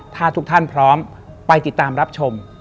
ถ้าทุกท่านพร้อมไปติดตามรับชม